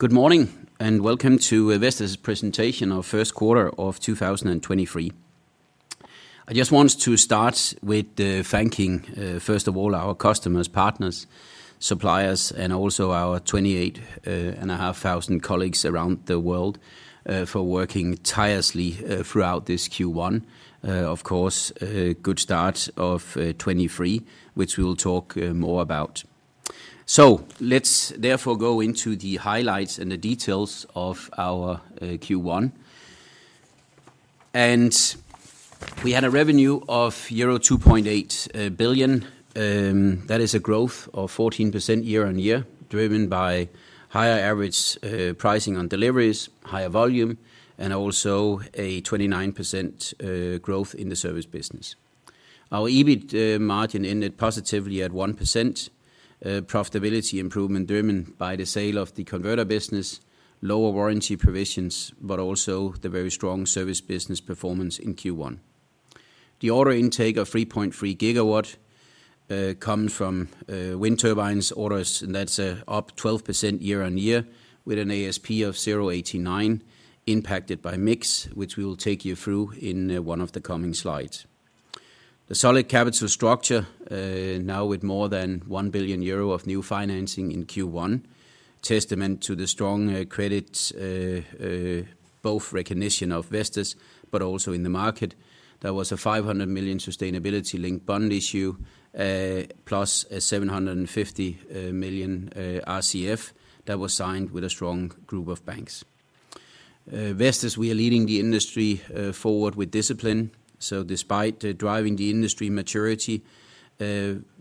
Good morning, welcome to Vestas presentation of first quarter of 2023. I just want to start with thanking first of all, our customers, partners, suppliers, and also our 28,500 colleagues around the world for working tirelessly throughout this Q1. Of course, a good start of 2023, which we will talk more about. Let's therefore go into the highlights and the details of our Q1. We had a revenue of euro 2.8 billion. That is a growth of 14% year-on-year, driven by higher average pricing on deliveries, higher volume, and also a 29% growth in the service business. Our EBIT margin ended positively at 1% profitability improvement driven by the sale of the converter business, lower warranty provisions, but also the very strong service business performance in Q1. The order intake of 3.3 GW come from wind turbines orders, and that's up 12% year-on-year with an ASP of 0.89 impacted by mix, which we will take you through in one of the coming slides. The solid capital structure now with more than 1 billion euro of new financing in Q1, testament to the strong credit both recognition of Vestas but also in the market. There was a 500 million sustainability-linked bond issue plus a 750 million RCF that was signed with a strong group of banks. Vestas, we are leading the industry forward with discipline, so despite driving the industry maturity,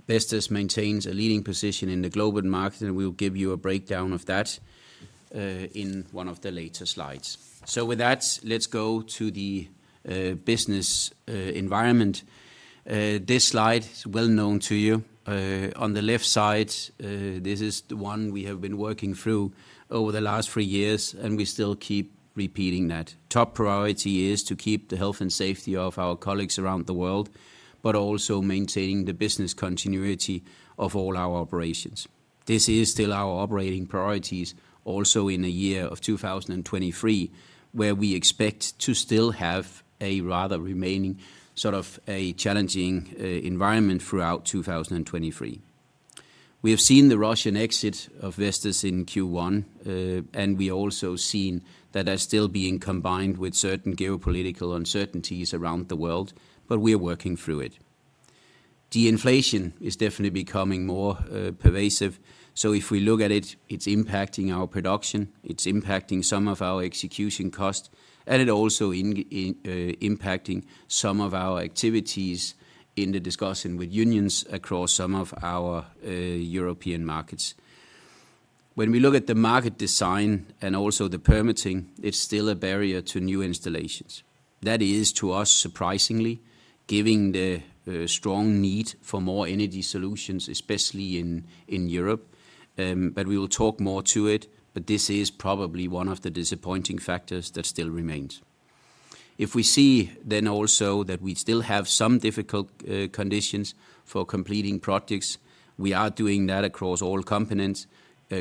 Vestas maintains a leading position in the global market, and we'll give you a breakdown of that in one of the later slides. With that, let's go to the business environment. This slide is well known to you. On the left side, this is the one we have been working through over the last three years, and we still keep repeating that. Top priority is to keep the health and safety of our colleagues around the world, but also maintaining the business continuity of all our operations. This is still our operating priorities also in the year of 2023, where we expect to still have a rather remaining sort of a challenging environment throughout 2023. We have seen the Russian exit of Vestas in Q1, and we also seen that are still being combined with certain geopolitical uncertainties around the world, but we are working through it. De-inflation is definitely becoming more pervasive. If we look at it's impacting our production, it's impacting some of our execution costs, and it also impacting some of our activities in the discussion with unions across some of our European markets. When we look at the market design and also the permitting, it's still a barrier to new installations. That is, to us, surprisingly, giving the strong need for more energy solutions, especially in Europe. We will talk more to it. This is probably one of the disappointing factors that still remains. If we see then also that we still have some difficult conditions for completing projects, we are doing that across all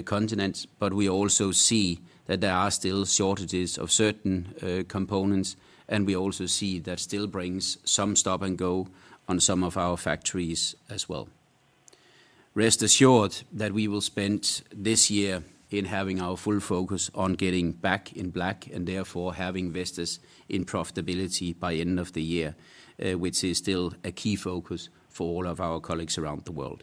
continents, but we also see that there are still shortages of certain components, and we also see that still brings some stop and go on some of our factories as well. Rest assured that we will spend this year in having our full focus on getting back in black and therefore having Vestas in profitability by end of the year, which is still a key focus for all of our colleagues around the world.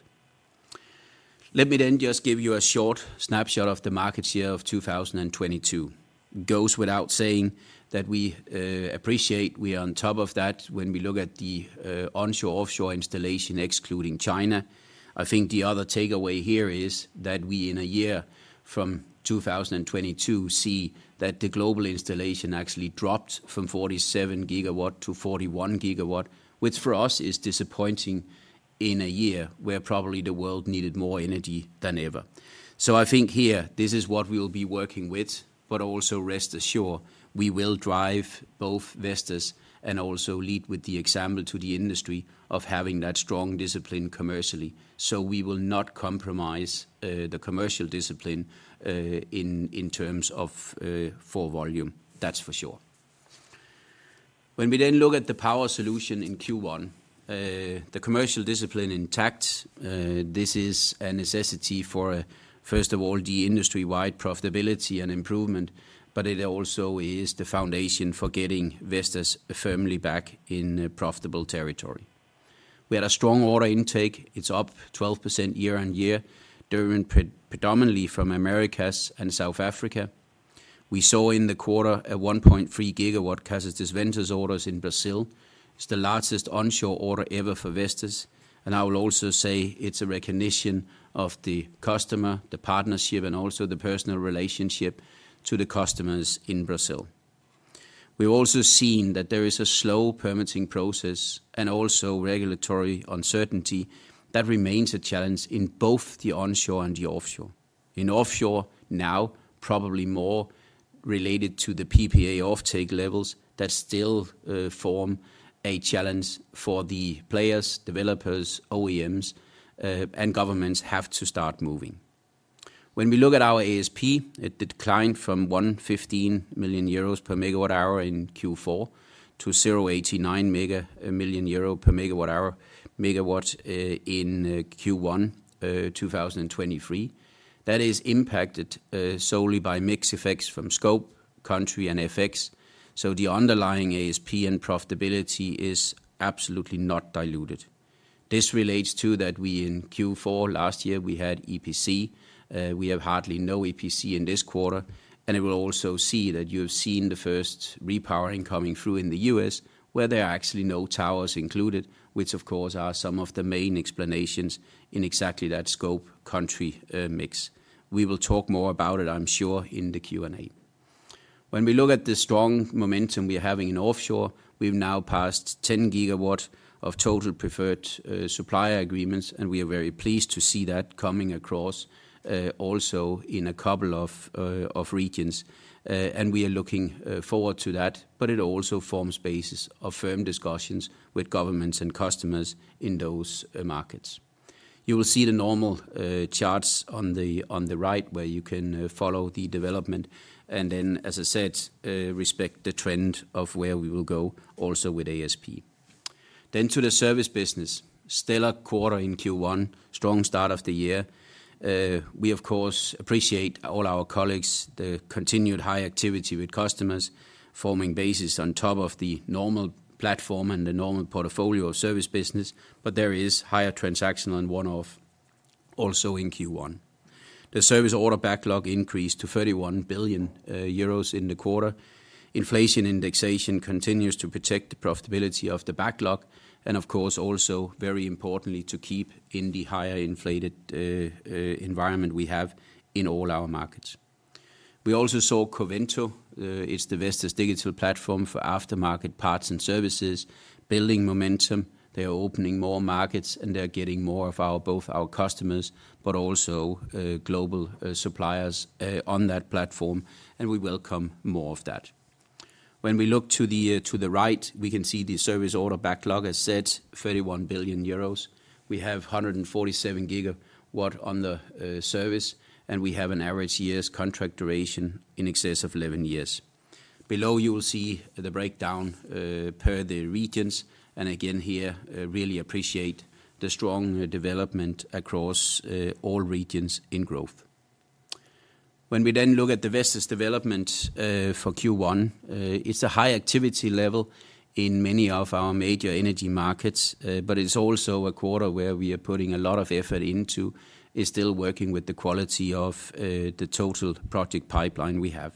Let me just give you a short snapshot of the market share of 2022. Goes without saying that we appreciate we are on top of that when we look at the onshore/offshore installation, excluding China. I think the other takeaway here is that we in a year from 2022 see that the global installation actually dropped from 47 GW to 41 GW, which for us is disappointing in a year where probably the world needed more energy than ever. I think here, this is what we will be working with, but also rest assured, we will drive both Vestas and also lead with the example to the industry of having that strong discipline commercially. We will not compromise the commercial discipline in terms of for volume, that's for sure. When we then look at the power solution in Q1, the commercial discipline intact, this is a necessity for, first of all, the industry-wide profitability and improvement, but it also is the foundation for getting Vestas firmly back in profitable territory. We had a strong order intake. It's up 12% year-on-year, driven predominantly from Americas and South Africa. We saw in the quarter a 1.3 GW Casa dos Ventos orders in Brazil. It's the largest onshore order ever for Vestas. I will also say it's a recognition of the customer, the partnership, and also the personal relationship to the customers in Brazil. We've also seen that there is a slow permitting process and also regulatory uncertainty that remains a challenge in both the onshore and the offshore. In offshore now, probably more related to the PPA offtake levels, that still form a challenge for the players, developers, OEMs. Governments have to start moving. When we look at our ASP, it declined from 1.15 million euros per MWh in Q4 to 0.89 million euro per MW in Q1 2023. That is impacted solely by mix effects from scope, country, and FX. The underlying ASP and profitability is absolutely not diluted. This relates to that we, in Q4 last year, we had EPC. We have hardly no EPC in this quarter, and it will also see that you have seen the first repowering coming through in the U.S., where there are actually no towers included, which of course are some of the main explanations in exactly that scope country mix. We will talk more about it, I'm sure, in the Q&A. When we look at the strong momentum we are having in offshore, we've now passed 10 GW of total preferred supplier agreements. We are very pleased to see that coming across also in a couple of regions. We are looking forward to that, but it also forms basis of firm discussions with governments and customers in those markets. You will see the normal charts on the right where you can follow the development and then, as I said, respect the trend of where we will go also with ASP. To the service business, stellar quarter in Q1, strong start of the year. We of course appreciate all our colleagues, the continued high activity with customers forming basis on top of the normal platform and the normal portfolio of service business, but there is higher transaction on one-off also in Q1. The service order backlog increased to 31 billion euros in the quarter. Inflation indexation continues to protect the profitability of the backlog, and of course also very importantly to keep in the higher inflated environment we have in all our markets. We also saw Covento, it's the Vestas digital platform for aftermarket parts and services, building momentum. They are opening more markets, and they are getting more of both our customers, but also global suppliers on that platform, and we welcome more of that. When we look to the right, we can see the service order backlog, as said, 31 billion euros. We have 147 GW on the service, and we have an average years contract duration in excess of 11 years. Below, you will see the breakdown per the regions. Again here, really appreciate the strong development across all regions in growth. When we then look at the Vestas development for Q1, it's a high activity level in many of our major energy markets, but it's also a quarter where we are putting a lot of effort into is still working with the quality of the total project pipeline we have.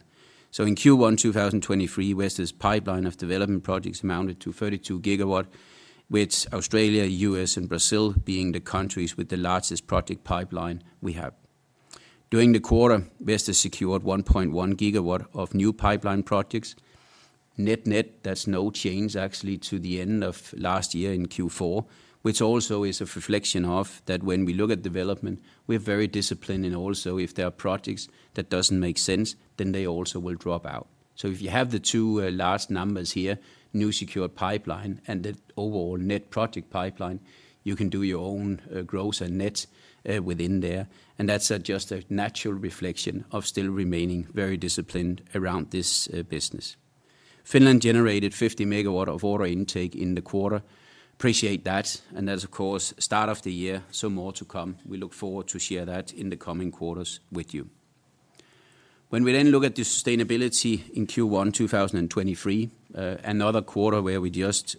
In Q1 2023, Vestas' pipeline of development projects amounted to 32 GW, which Australia, U.S., and Brazil being the countries with the largest project pipeline we have. During the quarter, Vestas secured 1.1 GW of new pipeline projects. Net-net, that's no change actually to the end of last year in Q4, which also is a reflection of that when we look at development, we're very disciplined, and also if there are projects that doesn't make sense, then they also will drop out. If you have the two large numbers here, new secure pipeline and the overall net project pipeline, you can do your own gross and net within there. That's just a natural reflection of still remaining very disciplined around this business. Finland generated 50 MW of order intake in the quarter. Appreciate that. That's of course start of the year. More to come. We look forward to share that in the coming quarters with you. We look at the sustainability in Q1 2023, another quarter where we just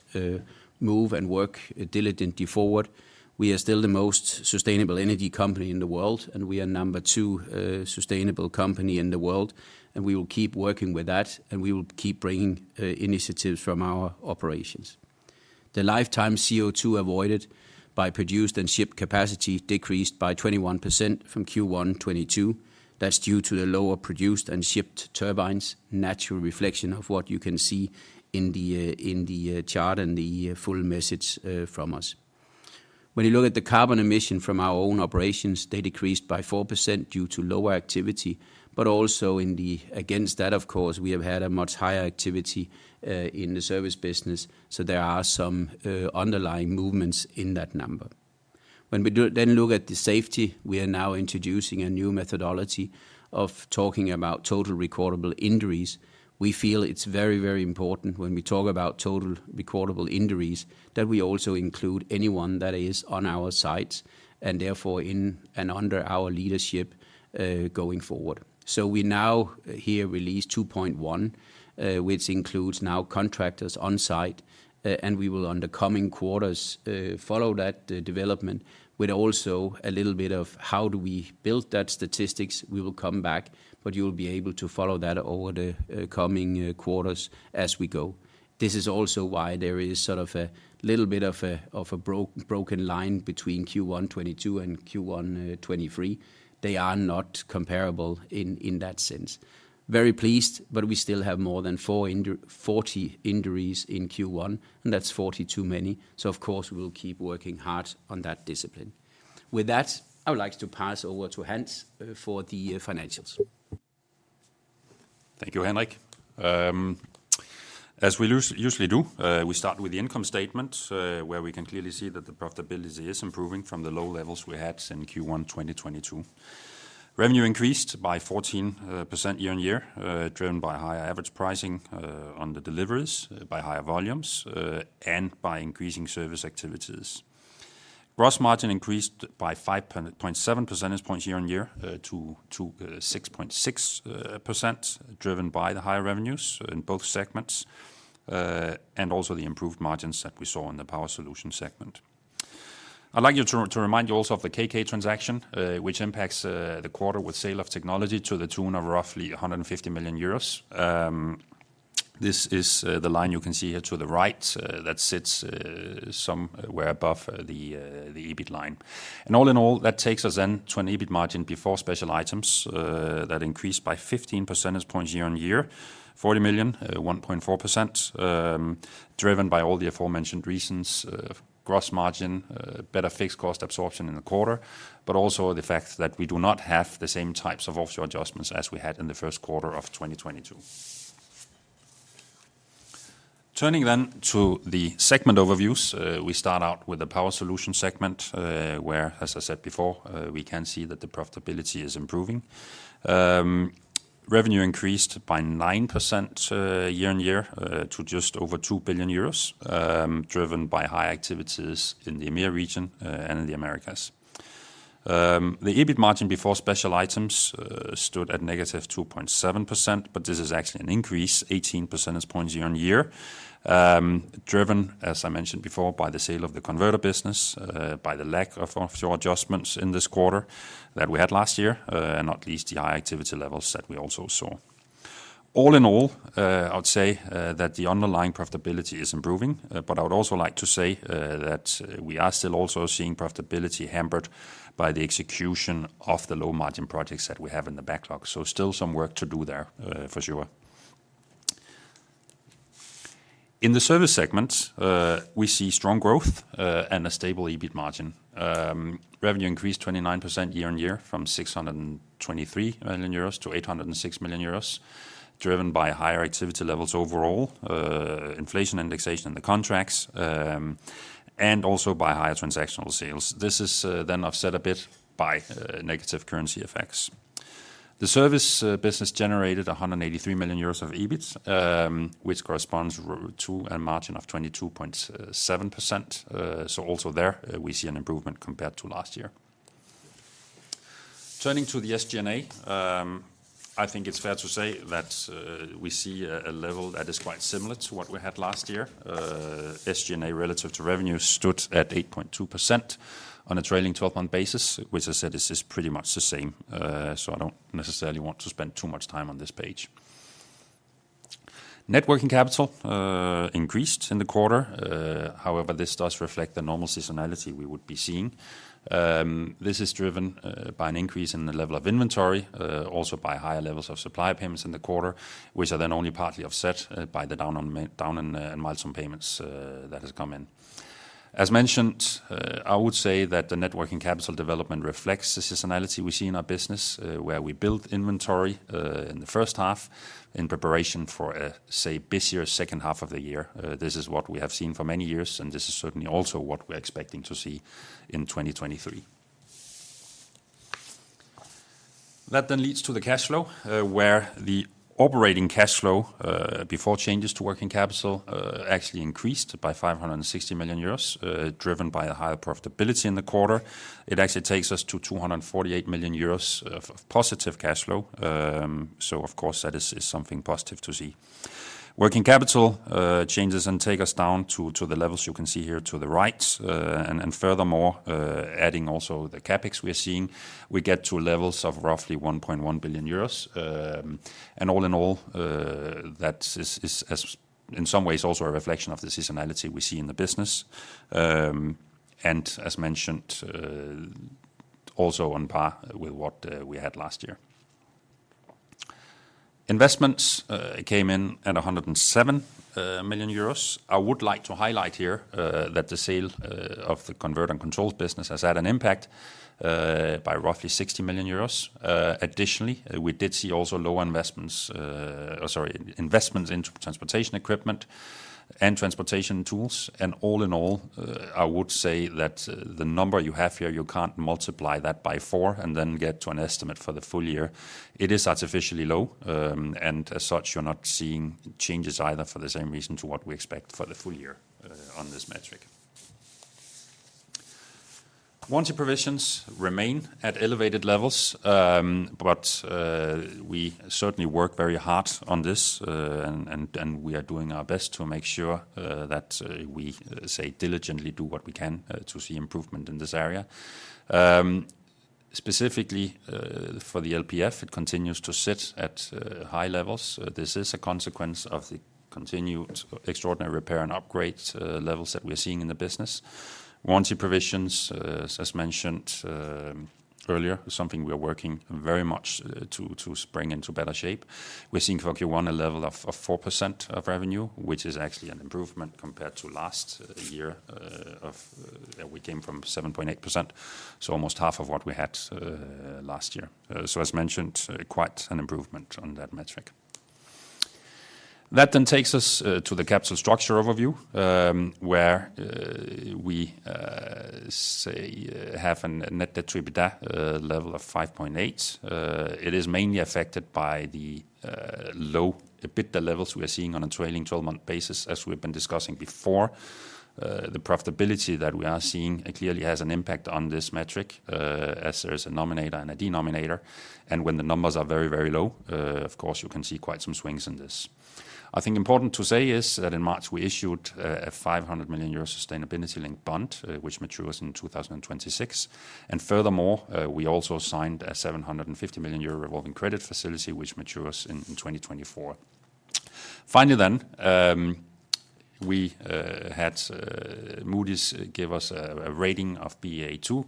move and work diligently forward. We are still the most sustainable energy company in the world. We are number two sustainable company in the world. We will keep working with that. We will keep bringing initiatives from our operations. The lifetime CO2 avoided by produced and shipped capacity decreased by 21% from Q1 2022. That's due to the lower produced and shipped turbines, natural reflection of what you can see in the, in the chart and the full message from us. When you look at the carbon emission from our own operations, they decreased by 4% due to lower activity, but also against that, of course, we have had a much higher activity in the service business, so there are some underlying movements in that number. When we then look at the safety, we are now introducing a new methodology of talking about total recordable injuries. We feel it's very, very important when we talk about total recordable injuries, that we also include anyone that is on our sites and therefore in and under our leadership going forward. We now here release 2.1, which includes now contractors on site, and we will on the coming quarters follow that development with also a little bit of how do we build that statistics. We will come back. You'll be able to follow that over the coming quarters as we go. This is also why there is sort of a little bit of a broken line between Q1 2022 and Q1 2023. They are not comparable in that sense. Very pleased. We still have more than 40 injuries in Q1, and that's 40 too many. Of course, we'll keep working hard on that discipline. With that, I would like to pass over to Hans for the financials. Thank you, Henrik. As we usually do, we start with the income statement, where we can clearly see that the profitability is improving from the low levels we had in Q1 2022. Revenue increased by 14% year-over-year, driven by higher average pricing on the deliveries by higher volumes, and by increasing service activities. Gross margin increased by 5.7 percentage points year-over-year to 6.6%, driven by the higher revenues in both segments and also the improved margins that we saw in the power solution segment. I'd like you to remind you also of the KK transaction, which impacts the quarter with sale of technology to the tune of roughly 150 million euros. This is the line you can see here to the right, that sits somewhere above the EBIT line. All in all, that takes us then to an EBIT margin before special items, that increased by 15 percentage points year-on-year, 40 million, 1.4%, driven by all the aforementioned reasons, gross margin, better fixed cost absorption in the quarter, but also the fact that we do not have the same types of offshore adjustments as we had in the first quarter of 2022. Turning then to the segment overviews, we start out with the power solution segment, where, as I said before, we can see that the profitability is improving. Revenue increased by 9% year-over-year to just over 2 billion euros, driven by high activities in the EMEA region and in the Americas. The EBIT margin before special items stood at -2.7%. This is actually an increase 18 percentage points year-over-year, driven, as I mentioned before, by the sale of the converter business, by the lack of offshore adjustments in this quarter that we had last year, and not least the high activity levels that we also saw. All in all, I would say that the underlying profitability is improving. I would also like to say that we are still also seeing profitability hampered by the execution of the low-margin projects that we have in the backlog. Still some work to do there for sure. In the service segment, we see strong growth and a stable EBIT margin. Revenue increased 29% year-on-year from 623 million euros to 806 million euros, driven by higher activity levels overall, inflation indexation in the contracts, and also by higher transactional sales. This is then offset a bit by negative currency effects. The service business generated 183 million euros of EBIT, which corresponds to a margin of 22.7%. Also there, we see an improvement compared to last year. Turning to the SG&A, I think it's fair to say that we see a level that is quite similar to what we had last year. SG&A relative to revenue stood at 8.2% on a trailing 12-month basis, which I said is just pretty much the same. I don't necessarily want to spend too much time on this page. Net working capital increased in the quarter. However, this does reflect the normal seasonality we would be seeing. This is driven by an increase in the level of inventory, also by higher levels of supply payments in the quarter, which are then only partly offset by the down in milestone payments that has come in. As mentioned, I would say that the net working capital development reflects the seasonality we see in our business, where we build inventory in the first half in preparation for a busier second half of the year. This is what we have seen for many years, and this is certainly also what we're expecting to see in 2023. That leads to the cash flow, where the operating cash flow before changes to working capital actually increased by 560 million euros, driven by a higher profitability in the quarter. It actually takes us to 248 million euros of positive cash flow. Of course, that is something positive to see. Working capital changes then take us down to the levels you can see here to the right. Furthermore, adding also the CapEx we're seeing, we get to levels of roughly 1.1 billion euros. All in all, that is in some ways also a reflection of the seasonality we see in the business. As mentioned, also on par with what we had last year. Investments came in at 107 million euros. I would like to highlight here that the sale of the converters and controls business has had an impact by roughly 60 million euros. Additionally, we did see also low investments into transportation equipment and transportation tools. All in all, I would say that the number you have here, you can't multiply that by four and then get to an estimate for the full year. It is artificially low, and as such, you're not seeing changes either for the same reason to what we expect for the full year on this metric. Warranty provisions remain at elevated levels, but we certainly work very hard on this. We are doing our best to make sure that we say diligently do what we can to see improvement in this area. Specifically, for the LPF, it continues to sit at high levels. This is a consequence of the continued extraordinary repair and upgrade levels that we're seeing in the business. Warranty provisions, as mentioned earlier, is something we are working very much to spring into better shape. We're seeing for Q1 a level of 4% of revenue, which is actually an improvement compared to last year, of we came from 7.8%, so almost half of what we had last year. As mentioned, quite an improvement on that metric. That takes us to the capital structure overview, where we have a net debt to EBITDA level of 5.8. It is mainly affected by the low EBITDA levels we are seeing on a trailing 12-month basis, as we've been discussing before. The profitability that we are seeing clearly has an impact on this metric, as there is a nominator and a denominator. When the numbers are very, very low, of course, you can see quite some swings in this. I think important to say is that in March, we issued a 500 million euro sustainability-linked bond, which matures in 2026. We also signed a 750 million euro revolving credit facility, which matures in 2024. We had Moody's give us a rating of Ba2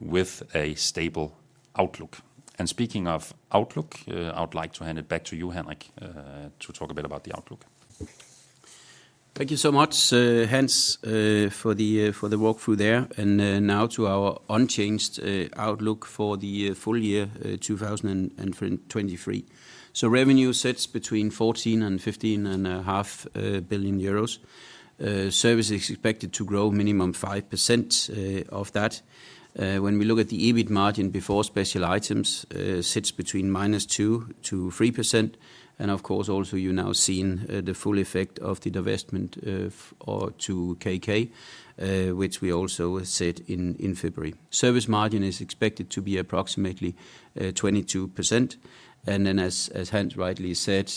with a stable outlook. Speaking of outlook, I would like to hand it back to you, Henrik, to talk a bit about the outlook. Thank you so much, Hans, for the walk through there. Now to our unchanged outlook for the full year 2023. Revenue sits between 14 billion euros and EUR 15.5 billion. Service is expected to grow minimum 5% of that. When we look at the EBIT margin before special items, sits between -2% to 3%. Of course, also you're now seeing the full effect of the divestment of, or to KK, which we also said in February. Service margin is expected to be approximately 22%. Then as Hans rightly said,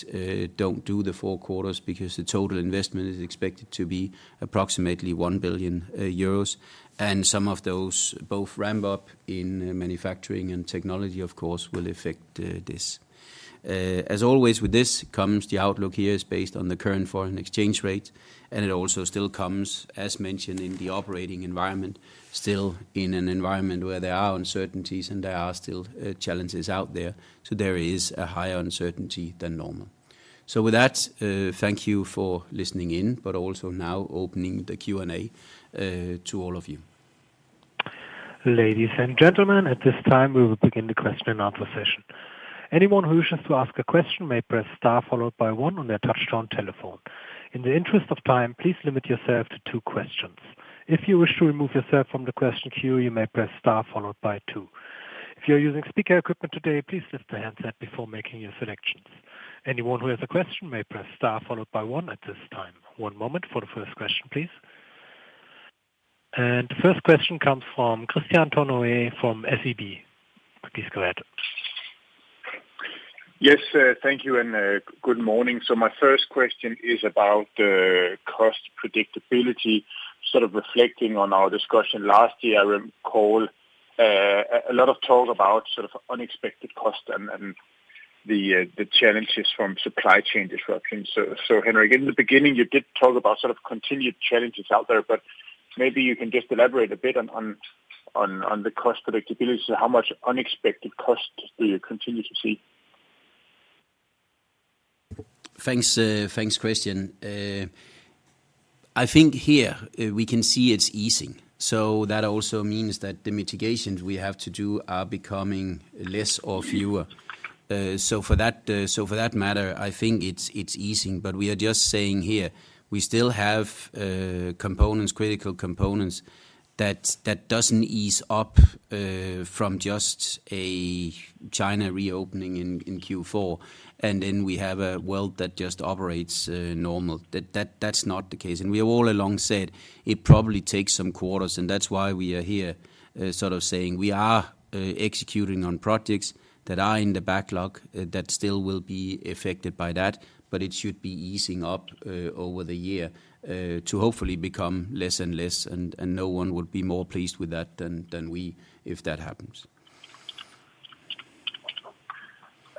don't do the four quarters because the total investment is expected to be approximately 1 billion euros. Some of those both ramp up in manufacturing and technology, of course, will affect this. As always, with this comes the outlook here is based on the current foreign exchange rate, and it also still comes, as mentioned in the operating environment, still in an environment where there are uncertainties and there are still challenges out there. There is a higher uncertainty than normal. With that, thank you for listening in, but also now opening the Q&A to all of you. Ladies and gentlemen, at this time, we will begin the question and answer session. Anyone who wishes to ask a question may press star followed by one on their touchtone telephone. In the interest of time, please limit yourself to two questions. If you wish to remove yourself from the question queue, you may press star followed by two. If you're using speaker equipment today, please lift the handset before making your selections. Anyone who has a question may press star followed by one at this time. One moment for the first question, please. First question comes from Kristian Törnøe from SEB. Please go ahead. Yes, thank you and good morning. My first question is about the cost predictability, sort of reflecting on our discussion last year call, a lot of talk about sort of unexpected cost and the challenges from supply chain disruptions. Henrik, in the beginning, you did talk about sort of continued challenges out there, but maybe you can just elaborate a bit on the cost predictability. How much unexpected costs do you continue to see? Thanks, Kristian. I think here, we can see it's easing. That also means that the mitigations we have to do are becoming less or fewer. For that matter, I think it's easing. We are just saying here, we still have components, critical components that doesn't ease up, from just a China reopening in Q4. Then we have a world that just operates normal. That's not the case. We have all along said it probably takes some quarters, and that's why we are here, sort of saying we are executing on projects that are in the backlog that still will be affected by that, but it should be easing up over the year, to hopefully become less and less. No one would be more pleased with that than we if that happens.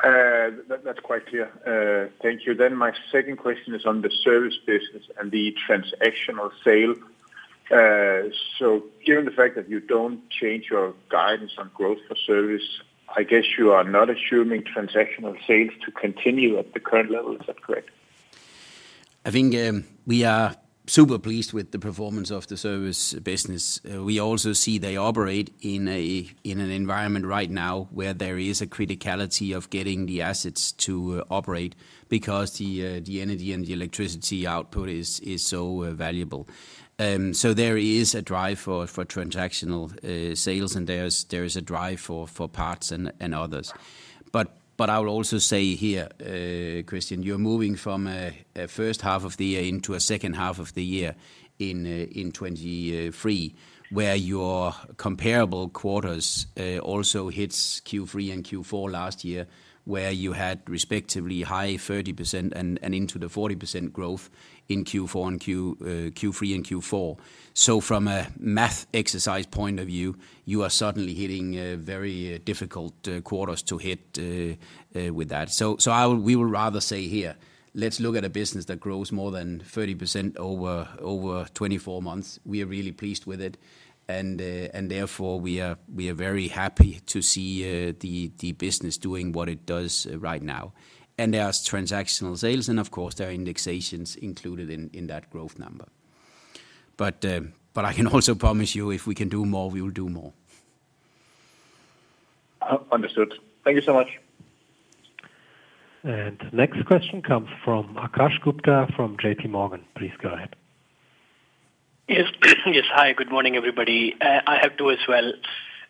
That's quite clear. Thank you. My second question is on the service business and the transactional sale. Given the fact that you don't change your guidance on growth for service, I guess you are not assuming transactional sales to continue at the current level. Is that correct? I think, we are super pleased with the performance of the service business. We also see they operate in an environment right now where there is a criticality of getting the assets to operate because the energy and the electricity output is so valuable. So there is a drive for transactional sales, and there is a drive for parts and others. I will also say here, Kristian, you're moving from a first half of the year into a second half of the year in 2023, where your comparable quarters also hits Q3 and Q4 last year, where you had respectively high 30% and into the 40% growth in Q4 and Q3 and Q4. From a math exercise point of view, you are suddenly hitting very difficult quarters to hit with that. We will rather say here, let's look at a business that grows more than 30% over 24 months. We are really pleased with it. Therefore, we are very happy to see the business doing what it does right now. There are transactional sales, and of course, there are indexations included in that growth number. I can also promise you, if we can do more, we will do more. Understood. Thank you so much. Next question comes from Akash Gupta from J.P. Morgan. Please go ahead. Yes. Yes. Hi, good morning, everybody. I have two as well.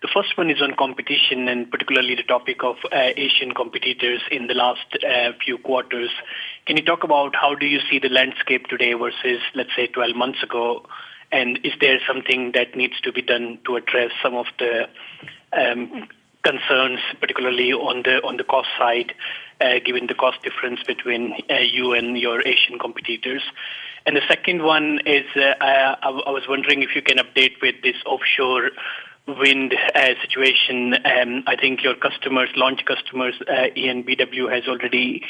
The first one is on competition and particularly the topic of Asian competitors in the last few quarters. Can you talk about how do you see the landscape today versus, let's say, 12 months ago? Is there something that needs to be done to address some of the concerns, particularly on the cost side, given the cost difference between you and your Asian competitors? The second one is, I was wondering if you can update with this offshore wind situation. I think your customers, launch customers, EnBW has already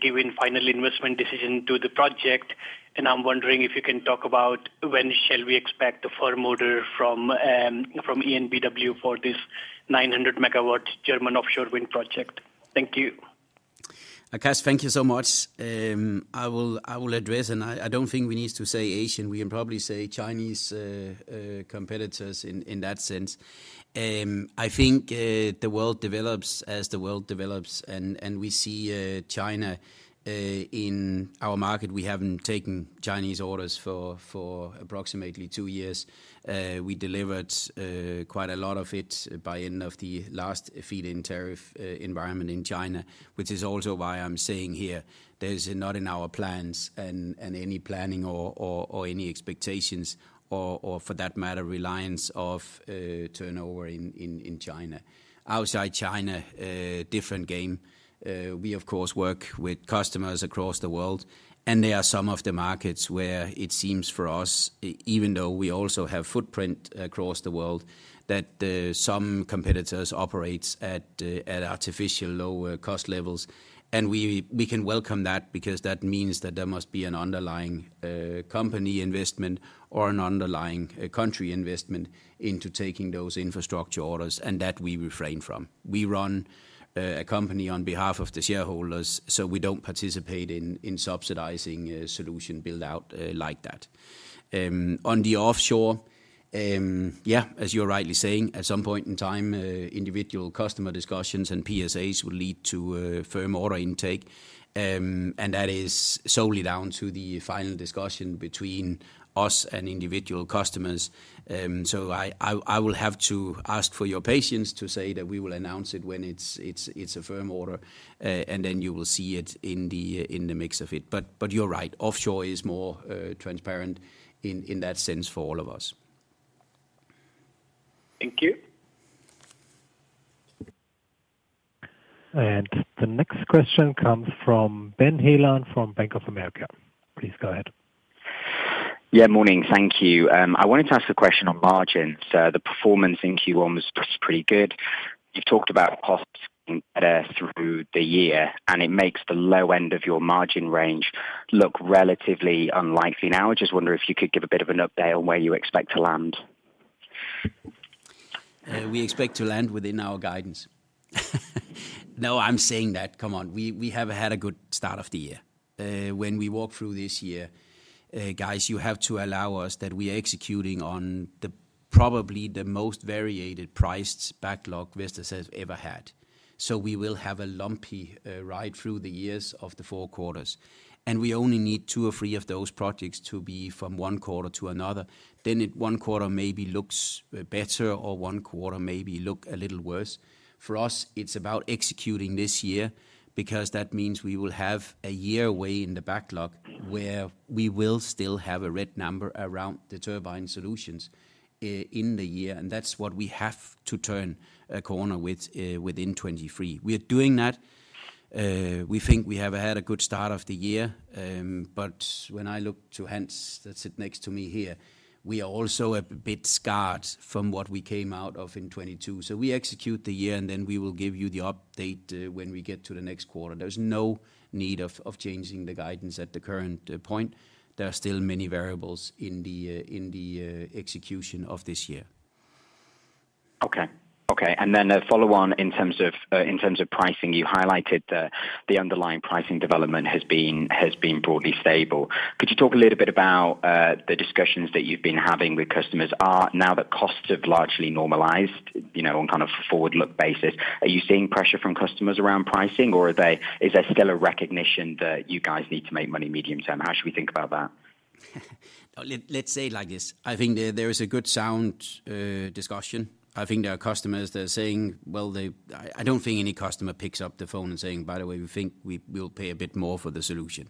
given final investment decision to the project, and I'm wondering if you can talk about when shall we expect the firm order from EnBW for this 900 MW German offshore wind project. Thank you. Akash, thank you so much. I will address, and I don't think we need to say Asian. We can probably say Chinese competitors in that sense. I think the world develops as the world develops, and we see China in our market. We haven't taken Chinese orders for approximately two years. We delivered quite a lot of it by end of the last feed-in tariff environment in China, which is also why I'm saying here, that is not in our plans and any planning or any expectations or for that matter, reliance of turnover in China. Outside China, a different game. We of course work with customers across the world, and there are some of the markets where it seems for us, even though we also have footprint across the world, that some competitors operates at artificial lower cost levels. We can welcome that because that means that there must be an underlying company investment or an underlying country investment into taking those infrastructure orders, and that we refrain from. We run a company on behalf of the shareholders, so we don't participate in subsidizing a solution build-out like that. On the offshore, yeah, as you're rightly saying, at some point in time, individual customer discussions and PSAs will lead to a firm order intake. That is solely down to the final discussion between us and individual customers. I will have to ask for your patience to say that we will announce it when it's a firm order. Then you will see it in the mix of it. You're right. Offshore is more transparent in that sense for all of us. Thank you. The next question comes from Ben Heelan from Bank of America. Please go ahead. Yeah, morning. Thank you. I wanted to ask a question on margins. The performance in Q1 was pretty good. You've talked about costs getting better through the year, and it makes the low end of your margin range look relatively unlikely now. I just wonder if you could give a bit of an update on where you expect to land. We expect to land within our guidance. I'm saying that. Come on. We have had a good start of the year. When we walk through this year, guys, you have to allow us that we are executing on the probably the most variated priced backlog Vestas has ever had. We will have a lumpy ride through the years of the four quarters. We only need two or three of those projects to be from one quarter to another. It one quarter maybe looks better or one quarter maybe look a little worse. For us, it's about executing this year because that means we will have a year away in the backlog where we will still have a red number around the turbine solutions in the year. That's what we have to turn a corner with within 2023. We are doing that. We think we have had a good start of the year. When I look to Hans that sit next to me here, we are also a bit scarred from what we came out of in 2022. We execute the year, and then we will give you the update when we get to the next quarter. There's no need of changing the guidance at the current point. There are still many variables in the execution of this year. Okay. Okay. Then a follow on in terms of pricing. You highlighted the underlying pricing development has been broadly stable. Could you talk a little bit about the discussions that you've been having with customers now that costs have largely normalized, you know, on kind of forward-look basis? Are you seeing pressure from customers around pricing, or is there still a recognition that you guys need to make money medium-term? How should we think about that? Let's say it like this, I think there is a good sound discussion. I think there are customers that are saying, well, I don't think any customer picks up the phone and saying, "By the way, we think we'll pay a bit more for the solution."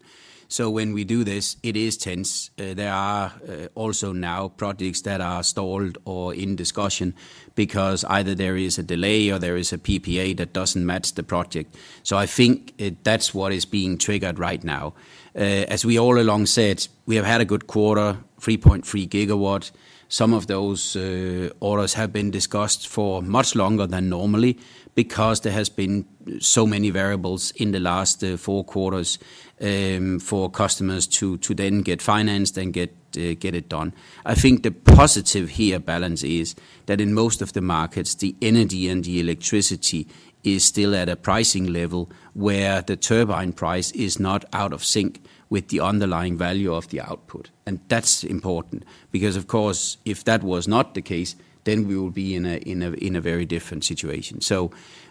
When we do this, it is tense. There are also now projects that are stalled or in discussion because either there is a delay or there is a PPA that doesn't match the project. I think that's what is being triggered right now. As we all along said, we have had a good quarter, 3.3 GW. Some of those orders have been discussed for much longer than normally because there has been so many variables in the last four quarters for customers to then get financed and get it done. I think the positive here balance is that in most of the markets, the energy and the electricity is still at a pricing level where the turbine price is not out of sync with the underlying value of the output. That's important because, of course, if that was not the case, then we will be in a very different situation.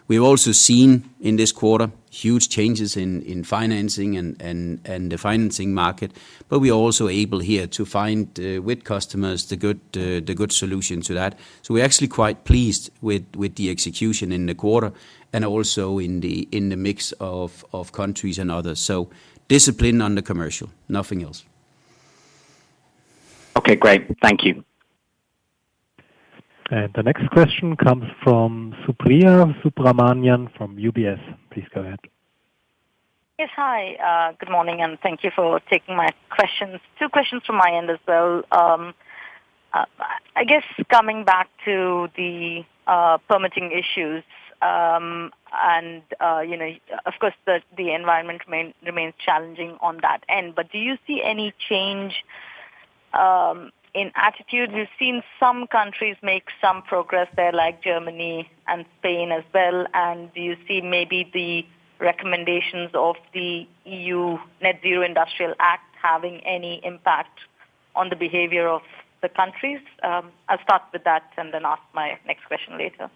We've also seen in this quarter huge changes in financing and the financing market, but we are also able here to find with customers the good solution to that. We're actually quite pleased with the execution in the quarter and also in the mix of countries and others. Discipline on the commercial, nothing else. Okay, great. Thank you. The next question comes from Supriya Subramanian from UBS. Please go ahead. Yes. Hi, good morning, thank you for taking my questions. Two questions from my end as well. I guess coming back to the permitting issues, and, you know, of course the environment remains challenging on that end. Do you see any change in attitude? We've seen some countries make some progress there, like Germany and Spain as well. Do you see maybe the recommendations of the EU Net-Zero Industry Act having any impact on the behavior of the countries? I'll start with that and then ask my next question later.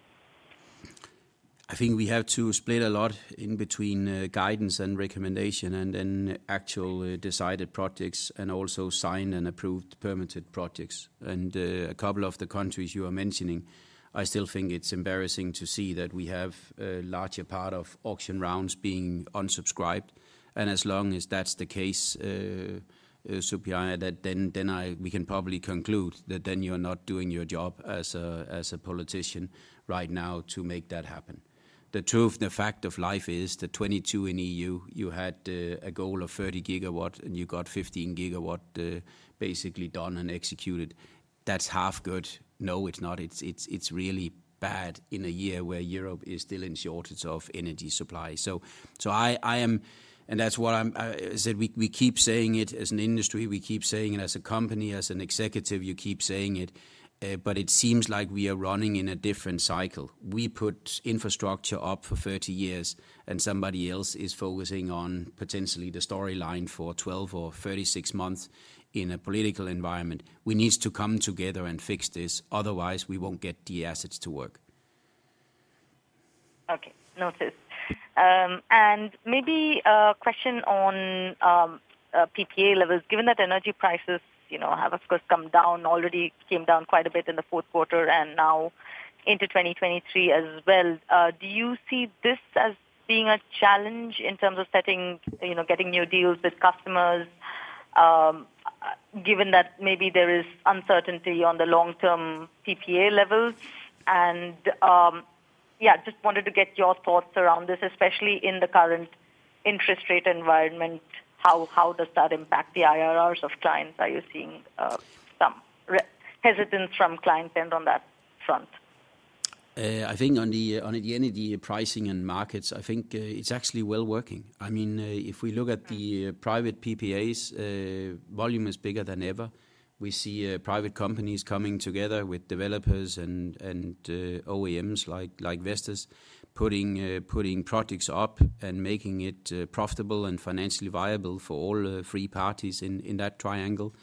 I think we have to split a lot in between guidance and recommendation and then actual decided projects and also signed and approved permitted projects. A couple of the countries you are mentioning, I still think it's embarrassing to see that we have a larger part of auction rounds being unsubscribed. As long as that's the case, Supriya, that then we can probably conclude that then you're not doing your job as a, as a politician right now to make that happen. The truth and the fact of life is that 2022 in EU, you had a goal of 30 GW, you got 15 GW basically done and executed. That's half good. No, it's not. It's really bad in a year where Europe is still in shortage of energy supply. That's what I'm said. We keep saying it as an industry, we keep saying it as a company, as an executive, you keep saying it. It seems like we are running in a different cycle. We put infrastructure up for 30 years. Somebody else is focusing on potentially the storyline for 12 or 36 months in a political environment. We need to come together and fix this, otherwise we won't get the assets to work. Okay. Noted. Maybe a question on PPA levels. Given that energy prices, you know, have of course come down already, came down quite a bit in the fourth quarter and now into 2023 as well, do you see this as being a challenge in terms of setting, you know, getting new deals with customers, given that maybe there is uncertainty on the long-term PPA levels? Yeah, just wanted to get your thoughts around this, especially in the current interest rate environment, how does that impact the IRRs of clients? Are you seeing some hesitance from client end on that front? I think on the energy pricing and markets, I think, it's actually well working. I mean, if we look at the private PPAs, volume is bigger than ever. We see private companies coming together with developers and OEMs like Vestas, putting projects up and making it profitable and financially viable for all three parties in that triangle.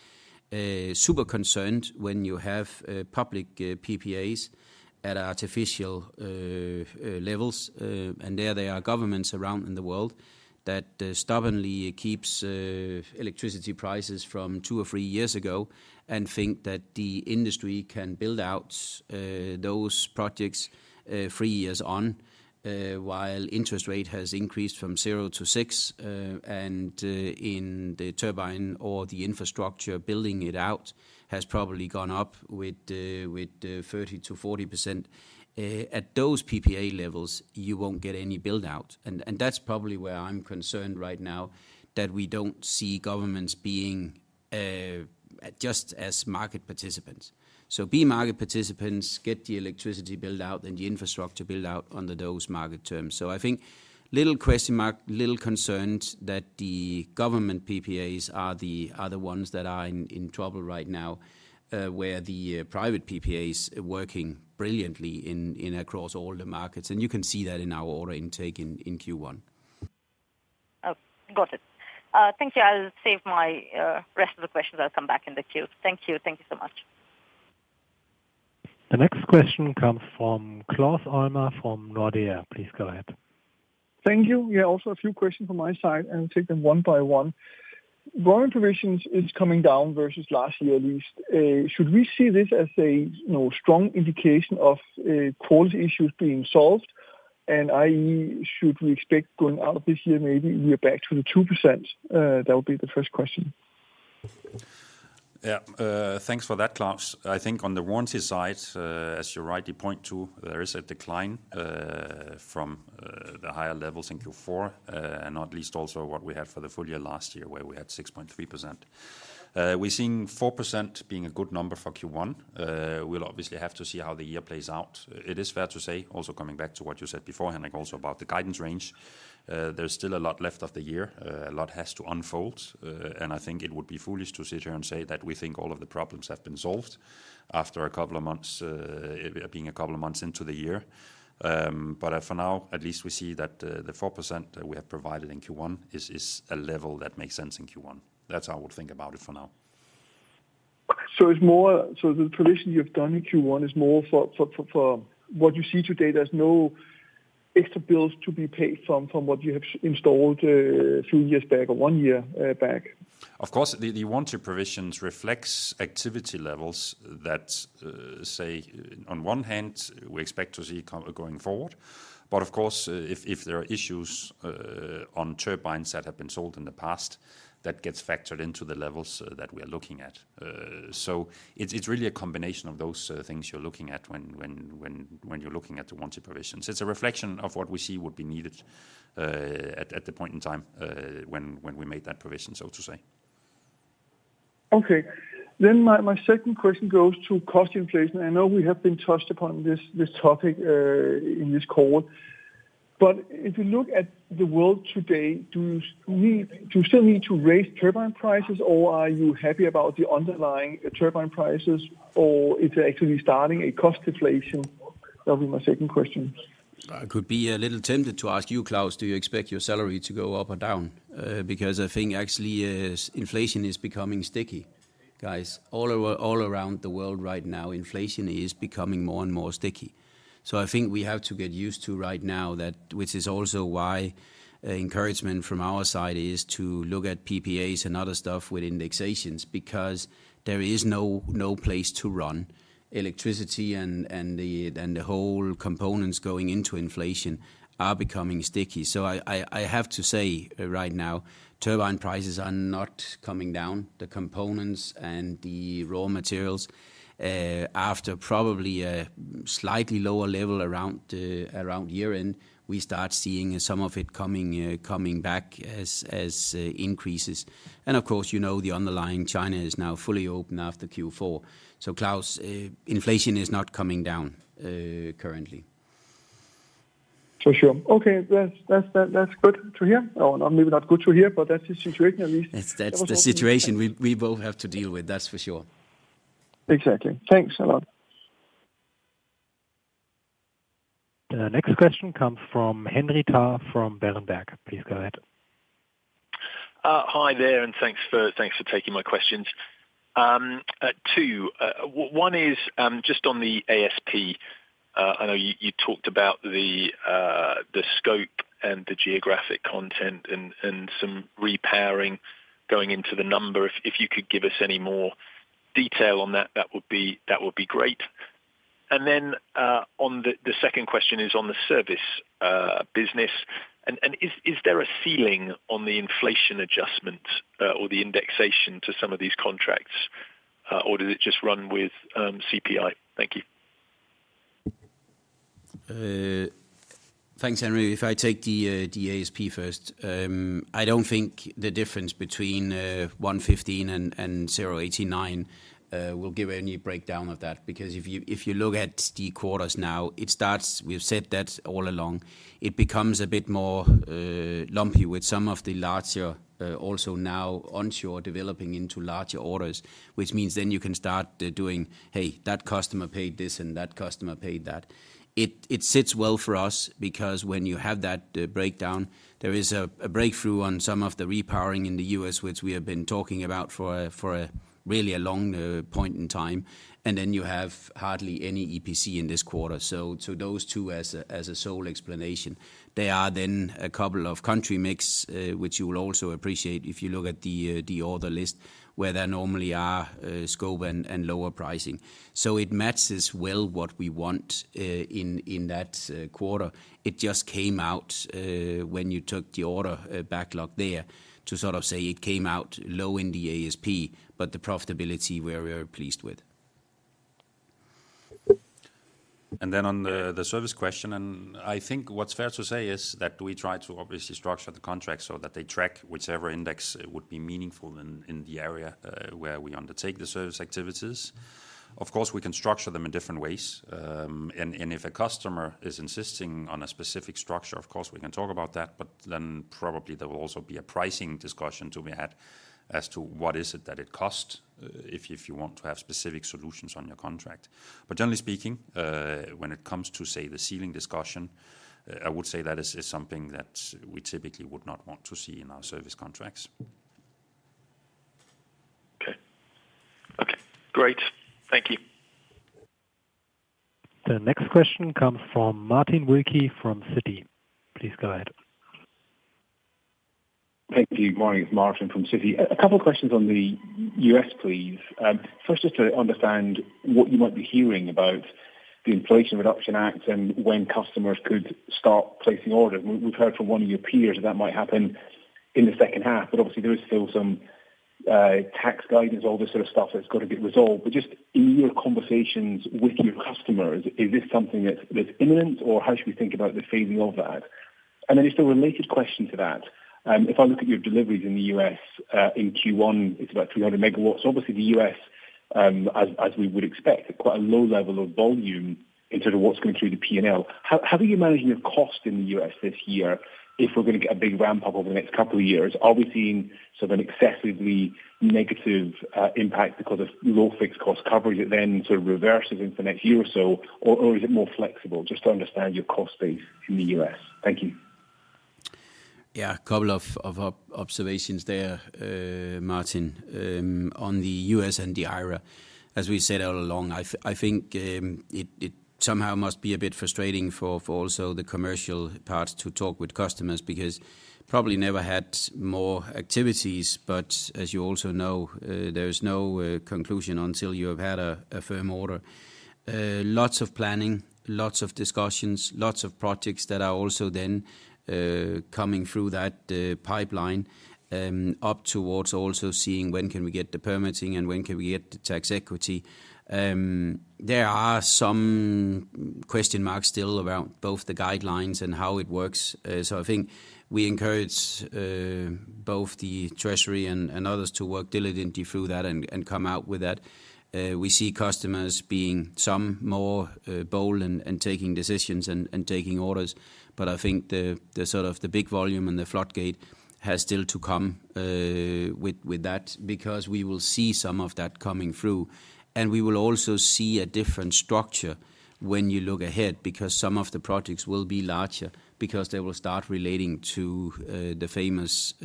Super concerned when you have public PPAs at artificial levels. There they are governments around in the world that stubbornly keeps electricity prices from two or three years ago and think that the industry can build out those projects three years on, while interest rate has increased from zero to six, and in the turbine or the infrastructure building it out has probably gone up with 30%-40%. At those PPA levels, you won't get any build-out. That's probably where I'm concerned right now, that we don't see governments being just as market participants. Be market participants, get the electricity build-out and the infrastructure build-out under those market terms. I think little question mark, little concerned that the government PPAs are the ones that are in trouble right now, where the private PPAs are working brilliantly across all the markets. You can see that in our order intake in Q1. Got it. Thank you. I'll save my rest of the questions. I'll come back in the queue. Thank you. Thank you so much. The next question comes from Claus Almer from Nordea. Please go ahead. Thank you. Yeah, also a few questions from my side. Take them one by one. Warranty provisions is coming down versus last year at least. Should we see this as a, you know, strong indication of quality issues being solved? I.e., should we expect going out of this year, maybe we are back to the 2%? That would be the first question. Thanks for that, Claus. I think on the warranty side, as you rightly point to, there is a decline from the higher levels in Q4, and not least also what we had for the full year last year, where we had 6.3%. We're seeing 4% being a good number for Q1. We'll obviously have to see how the year plays out. It is fair to say, also coming back to what you said beforehand, like also about the guidance range, there's still a lot left of the year. A lot has to unfold, and I think it would be foolish to sit here and say that we think all of the problems have been solved after a couple of months, being a couple of months into the year. For now, at least we see that, the 4% that we have provided in Q1 is a level that makes sense in Q1. That's how we'll think about it for now. The provision you've done in Q1 is more for what you see today. Extra bills to be paid from what you have installed, few years back or one year back. Of course, the warranty provisions reflects activity levels that, say on one hand, we expect to see kind of going forward. Of course, if there are issues on turbines that have been sold in the past, that gets factored into the levels that we are looking at. It's really a combination of those things you're looking at when you're looking at the warranty provisions. It's a reflection of what we see would be needed at the point in time when we made that provision, so to say. Okay. My second question goes to cost inflation. I know we have been touched upon this topic in this call. If you look at the world today, do you still need to raise turbine prices or are you happy about the underlying turbine prices, or it's actually starting a cost inflation? That'll be my second question. I could be a little tempted to ask you, Claus, do you expect your salary to go up or down? Because I think actually as inflation is becoming sticky. Guys, all around the world right now, inflation is becoming more and more sticky. I think we have to get used to right now that, which is also why encouragement from our side is to look at PPAs and other stuff with indexations because there is no place to run. Electricity and the whole components going into inflation are becoming sticky. I have to say right now, turbine prices are not coming down. The components and the raw materials, after probably a slightly lower level around year-end, we start seeing some of it coming back as increases. Of course, you know, the underlying China is now fully open after Q4. Claus, inflation is not coming down, currently. For sure. Okay. That's good to hear. Maybe not good to hear, but that's the situation at least. That's the situation we both have to deal with, that's for sure. Exactly. Thanks a lot. The next question comes from Henry Tarr from Berenberg. Please go ahead. Hi there, and thanks for taking my questions. Two. One is just on the ASP. I know you talked about the scope and the geographic content and some repowering going into the number. If you could give us any more detail on that would be great. Then on the second question is on the service business. Is there a ceiling on the inflation adjustment or the indexation to some of these contracts or does it just run with CPI? Thank you. Thanks, Henry. If I take the ASP first, I don't think the difference between 115 and 89 will give any breakdown of that. If you look at the quarters now, we've said that all along. It becomes a bit more lumpy with some of the larger also now onshore developing into larger orders, which means then you can start doing, "Hey, that customer paid this and that customer paid that." It sits well for us because when you have that breakdown, there is a breakthrough on some of the repowering in the U.S., which we have been talking about for a really a long point in time. Then you have hardly any EPC in this quarter. Those two as a sole explanation. There are then a couple of country mix, which you will also appreciate if you look at the order list, where there normally are scope and lower pricing. It matches well what we want in that quarter. It just came out when you took the order backlog there to sort of say it came out low in the ASP, but the profitability we are very pleased with. On the service question, I think what's fair to say is that we try to obviously structure the contract so that they track whichever index would be meaningful in the area where we undertake the service activities. Of course, we can structure them in different ways. If a customer is insisting on a specific structure, of course, we can talk about that, but then probably there will also be a pricing discussion to be had as to what is it that it costs if you want to have specific solutions on your contract. Generally speaking, when it comes to, say, the ceiling discussion, I would say that is something that we typically would not want to see in our service contracts. Okay. Okay, great. Thank you. The next question comes from Martin Wilkie from Citi. Please go ahead. Thank you. Morning, it's Martin from Citi. A couple of questions on the U.S., please. First, just to understand what you might be hearing about the Inflation Reduction Act and when customers could start placing orders. We've heard from one of your peers that that might happen in the second half, but obviously, there is still some tax guidance, all this sort of stuff that's got to get resolved. Just in your conversations with your customers, is this something that's imminent, or how should we think about the phasing of that? Just a related question to that. If I look at your deliveries in the U.S., in Q1, it's about 300 MW. Obviously, the U.S., as we would expect, quite a low level of volume in terms of what's going through the P&L. How are you managing your cost in the U.S. this year if we're going to get a big ramp-up over the next couple of years? Are we seeing sort of an excessively negative impact because of low fixed cost coverage that then sort of reverses into next year or so? Or is it more flexible? Just to understand your cost base in the U.S. Thank you. A couple of observations there, Martin, on the U.S. and the IRA. As we said all along, I think it somehow must be a bit frustrating for also the commercial part to talk with customers because probably never had more activities, but as you also know, there is no conclusion until you have had a firm order. Lots of planning, lots of discussions, lots of projects that are also then coming through that pipeline up towards also seeing when can we get the permitting and when can we get the tax equity. There are some question marks still around both the guidelines and how it works. I think we encourage both the treasury and others to work diligently through that and come out with that. We see customers being some more bold and taking decisions and taking orders, but I think the sort of the big volume and the floodgate has still to come with that, because we will see some of that coming through. We will also see a different structure when you look ahead, because some of the projects will be larger because they will start relating to the famous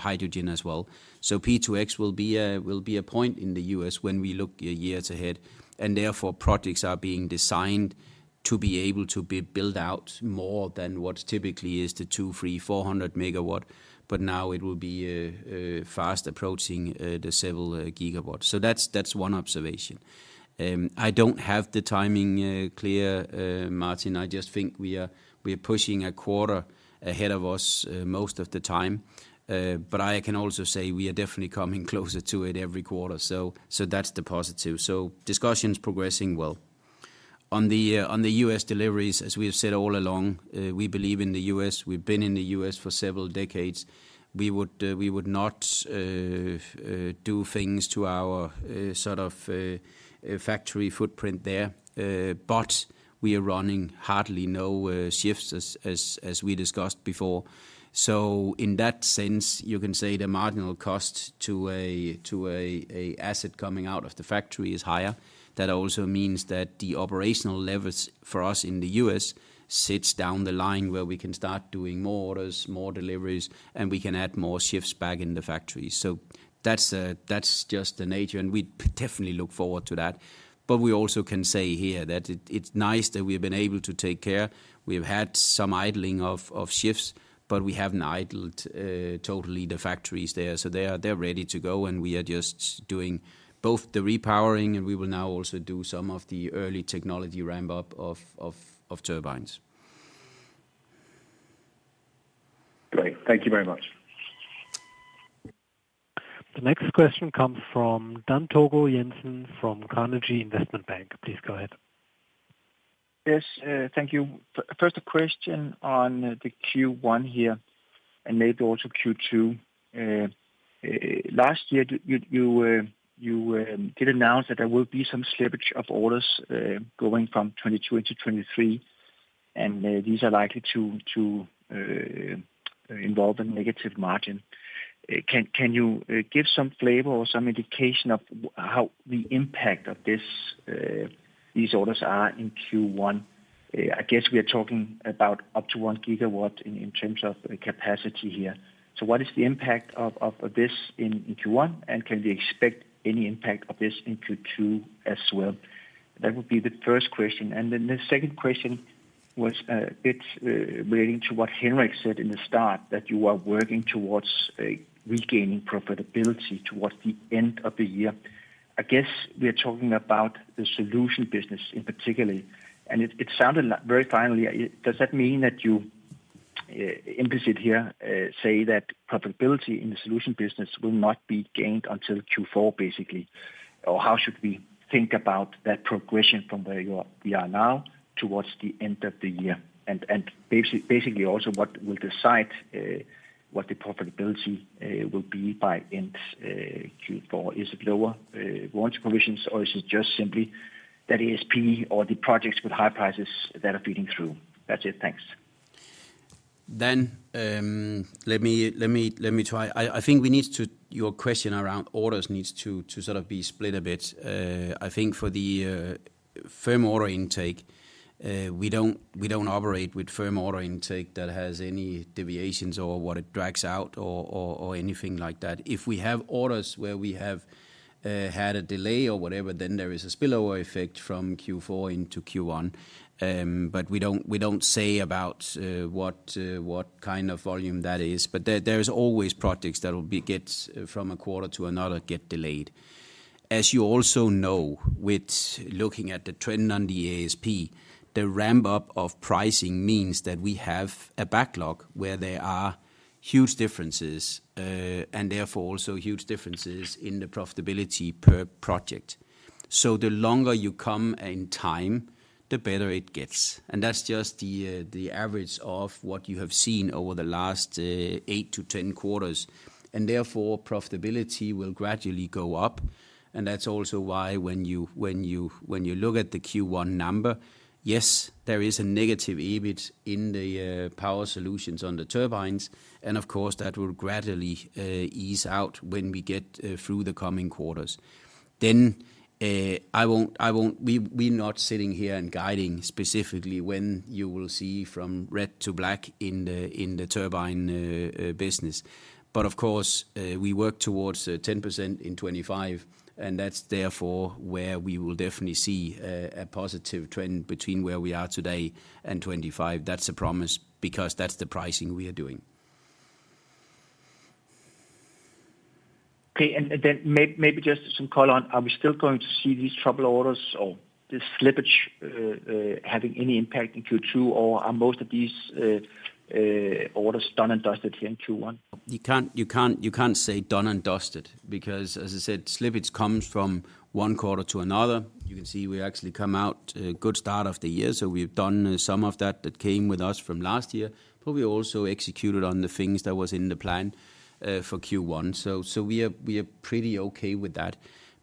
hydrogen as well. P2X will be a point in the U.S. when we look years ahead, and therefore, projects are being designed to be able to be built out more than what typically is the 200, 300, 400 MW, but now it will be fast approaching the several GW. That's one observation. I don't have the timing clear, Martin. I just think we are pushing a quarter ahead of us most of the time. I can also say we are definitely coming closer to it every quarter. That's the positive. Discussions progressing well. On the U.S. deliveries, as we have said all along, we believe in the U.S., we've been in the U.S. for several decades. We would not do things to our sort of factory footprint there. We are running hardly no shifts as we discussed before. In that sense, you can say the marginal cost to a asset coming out of the factory is higher. That also means that the operational levels for us in the U.S. sits down the line where we can start doing more orders, more deliveries, and we can add more shifts back in the factory. That's just the nature, and we definitely look forward to that. We also can say here that it's nice that we've been able to take care. We've had some idling of shifts, but we haven't idled totally the factories there. They're ready to go, and we are just doing both the repowering, and we will now also do some of the early technology ramp-up of turbines. Great. Thank you very much. The next question comes from Dan Togo Jensen from Carnegie Investment Bank. Please go ahead. Yes, thank you. First a question on the Q1 here, maybe also Q2. Last year, you did announce that there will be some slippage of orders going from 2022 to 2023. These are likely to involve a negative margin. Can you give some flavor or some indication of how the impact of this these orders are in Q1? I guess we are talking about up to 1 GW in terms of capacity here. What is the impact of this in Q1, and can we expect any impact of this in Q2 as well? That would be the first question. The second question was, it's relating to what Henrik said in the start, that you are working towards regaining profitability towards the end of the year. I guess we are talking about the solution business in particularly. It sounded like very finally. Does that mean that you implicit here say that profitability in the solution business will not be gained until Q4, basically? How should we think about that progression from where we are now towards the end of the year? Basically also what will decide what the profitability will be by end Q4. Is it lower warranty provisions, or is it just simply that ASP or the projects with high prices that are feeding through? That's it. Thanks. Dan, let me try. I think we need to. Your question around orders needs to sort of be split a bit. I think for the firm order intake, we don't operate with firm order intake that has any deviations or what it drags out or anything like that. If we have orders where we have had a delay or whatever, then there is a spillover effect from Q4 into Q1. We don't say about what kind of volume that is. There's always projects that will be from a quarter to another get delayed. As you also know, with looking at the trend on the ASP, the ramp-up of pricing means that we have a backlog where there are huge differences, and therefore also huge differences in the profitability per project. The longer you come in time, the better it gets. That's just the average of what you haveseen over the last eight-10 quarters, and therefore profitability will gradually go up. That's also why when you look at the Q1 number, yes, there is a negative EBIT in the Power Solutions on the turbines, and of course, that will gradually ease out when we get through the coming quarters. I won't We're not sitting here and guiding specifically when you will see from red to black in the turbine business. Of course, we work towards 10% in 2025, and that's therefore where we will definitely see a positive trend between where we are today and 2025. That's a promise because that's the pricing we are doing. Okay. Then maybe just some color on, are we still going to see these trouble orders or this slippage having any impact in Q2, or are most of these orders done and dusted here in Q1? You can't say done and dusted because as I said, slippage comes from one quarter to another. You can see we actually come out to a good start of the year, so we've done some of that that came with us from last year, we also executed on the things that was in the plan for Q1. We are pretty okay with that.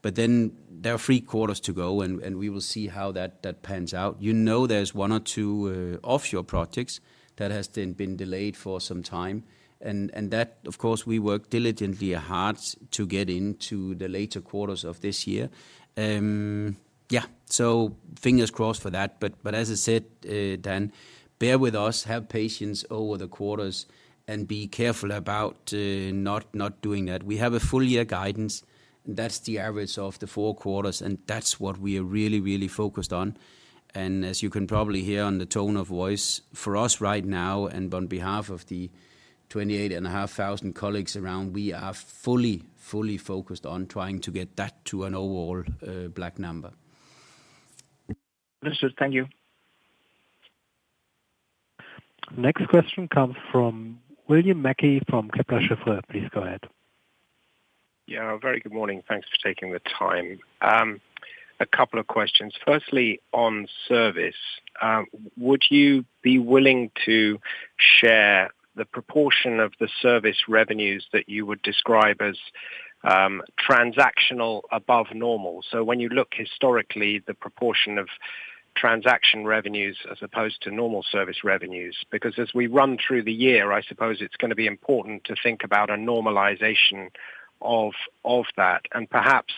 There are three quarters to go and we will see how that pans out. You know, there's one or two offshore projects that has been delayed for some time, and that of course, we work diligently hard to get into the later quarters of this year. Yeah, so fingers crossed for that. As I said, Dan, bear with us, have patience over the four quarters and be careful about not doing that. We have a full year guidance. That's the average of the four quarters, and that's what we are really focused on. As you can probably hear on the tone of voice, for us right now and on behalf of the 28,500 colleagues around, we are fully focused on trying to get that to an overall black number. Understood. Thank you. Next question comes from William Mackie from Kepler Cheuvreux. Please go ahead. Very good morning. Thanks for taking the time. A couple of questions. Firstly, on service, would you be willing to share the proportion of the service revenues that you would describe as transactional above normal? When you look historically, the proportion of transaction revenues as opposed to normal service revenues, because as we run through the year, I suppose it's gonna be important to think about a normalization of that and perhaps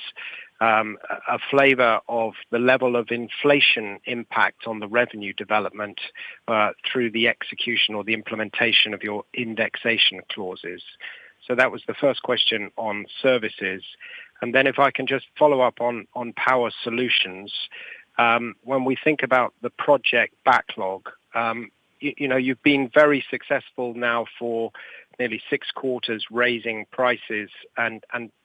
a flavor of the level of inflation impact on the revenue development through the execution or the implementation of your indexation clauses. That was the first question on services. If I can just follow up on power solutions. When we think about the project backlog, you know, you've been very successful now for nearly six quarters, raising prices and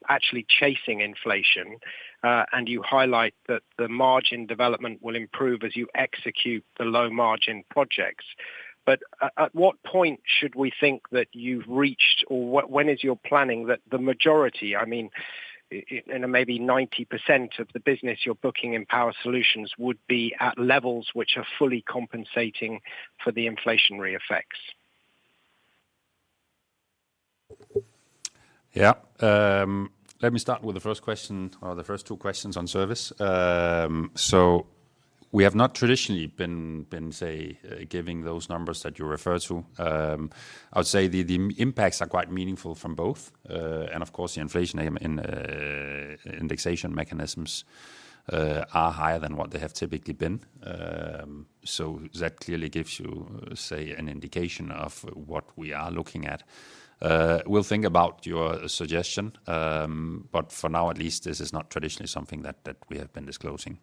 actually chasing inflation, and you highlight that the margin development will improve as you execute the low margin projects. At what point should we think that you've reached or when is your planning that the majority, I mean, in maybe 90% of the business you're booking in power solutions would be at levels which are fully compensating for the inflationary effects? Let me start with the first question or the first two questions on service. We have not traditionally been, say, giving those numbers that you refer to. I would say the impacts are quite meaningful from both. Of course, the inflation in indexation mechanisms are higher than what they have typically been. That clearly gives you, say, an indication of what we are looking at. We'll think about your suggestion, but for now at least, this is not traditionally something that we have been disclosing.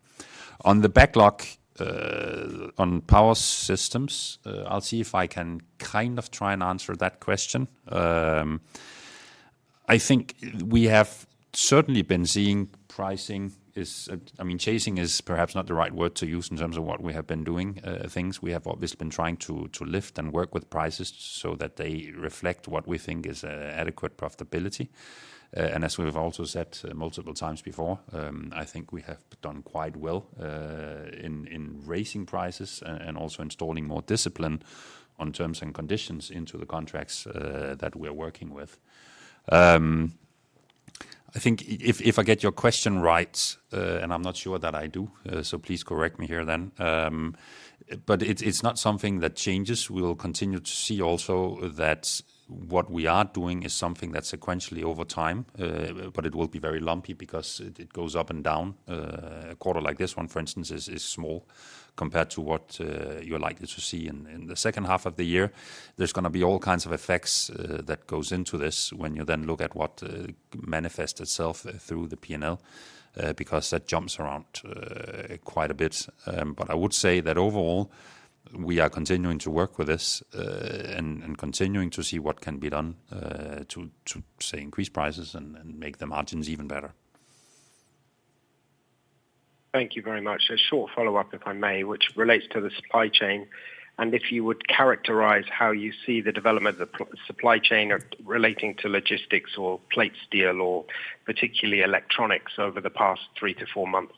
On the backlog, on power systems, I'll see if I can kind of try and answer that question. I think we have certainly been seeing pricing. I mean, chasing is perhaps not the right word to use in terms of what we have been doing things. We have obviously been trying to lift and work with prices so that they reflect what we think is adequate profitability. As we've also said multiple times before, I think we have done quite well in raising prices and also installing more discipline on terms and conditions into the contracts that we're working with. I think if I get your question right, and I'm not sure that I do, so please correct me here then. It's, it's not something that changes. We will continue to see also that what we are doing is something that sequentially over time, it will be very lumpy because it goes up and down. A quarter like this one, for instance, is small compared to what you're likely to see in the second half of the year. There's gonna be all kinds of effects that goes into this when you then look at what manifests itself through the P&L, because that jumps around quite a bit. I would say that overall, we are continuing to work with this and continuing to see what can be done to, say, increase prices and make the margins even better. Thank you very much. A short follow-up, if I may, which relates to the supply chain, and if you would characterize how you see the development of the supply chain relating to logistics or plate steel or particularly electronics over the past three to four months.